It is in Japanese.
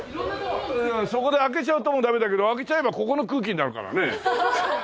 そこで開けちゃうともうダメだけど開けちゃえばここの空気になるからね。